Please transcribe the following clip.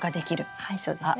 はいそうですね。